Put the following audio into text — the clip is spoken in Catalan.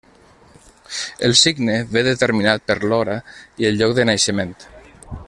El signe ve determinat per l'hora i el lloc de naixement.